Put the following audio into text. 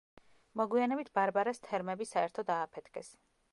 მოგვიანებით ბარბარას თერმები საერთოდ ააფეთქეს.